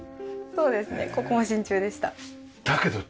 そうですね。